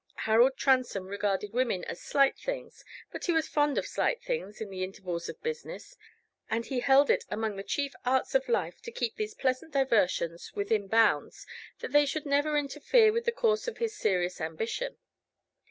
Harold Transome regarded women as slight things, but he was fond of slight things in the intervals of business; and he held it among the chief arts of life to keep these pleasant diversions within such bounds that they should never interfere with the course of his serious ambition.